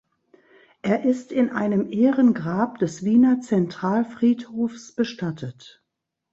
Er ist in einem Ehrengrab des Wiener Zentralfriedhofs bestattet.